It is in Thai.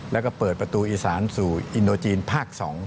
แล้วก็เปิดประตูอีสานสู่อินโดจีนภาค๒